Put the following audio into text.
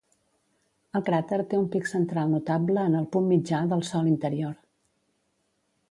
El cràter té un pic central notable en el punt mitjà del sòl interior.